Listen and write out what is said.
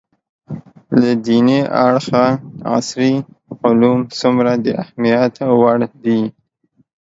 له دیني اړخه عصري علوم څومره د اهمیت وړ دي